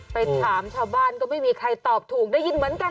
ไปถามชาวบ้านก็ไม่มีใครตอบถูกได้ยินเหมือนกัน